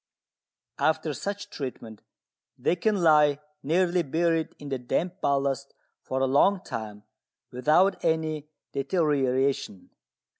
After such treatment they can lie nearly buried in the damp ballast for a long time without any deterioration.